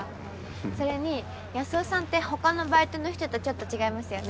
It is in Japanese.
それに安生さんって他のバイトの人とちょっと違いますよね。